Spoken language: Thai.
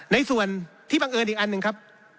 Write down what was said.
ในส่วนที่บังเอิญอีกอันหนึ่งครับ